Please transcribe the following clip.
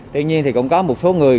tuy nhiên thì cũng có một số người